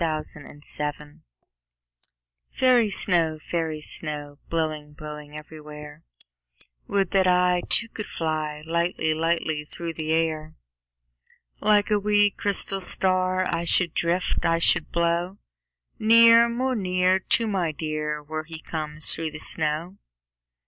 Snow Song FAIRY snow, fairy snow, Blowing, blowing everywhere, Would that I Too, could fly Lightly, lightly through the air. Like a wee, crystal star I should drift, I should blow Near, more near, To my dear Where he comes through the snow.